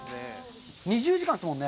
２０時間ですもんね。